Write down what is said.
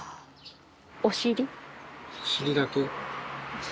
お尻。